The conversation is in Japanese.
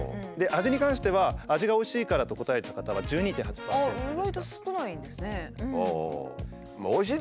味に関しては「味がおいしいから」と答えた方は１２．８％でした。